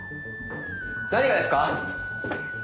何がですか？